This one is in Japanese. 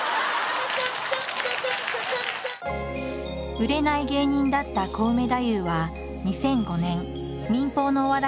売れない芸人だったコウメ太夫は２００５年民放のお笑い番組に初出演。